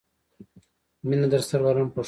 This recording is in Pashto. مینه درسره لرم پښتنو.